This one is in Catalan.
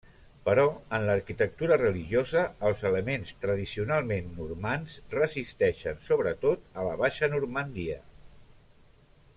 Però en l'arquitectura religiosa, els elements tradicionalment normands resisteixen, sobretot a la Baixa Normandia.